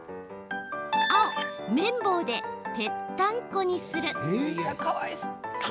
青・麺棒でぺったんこにする。